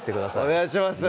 お願いします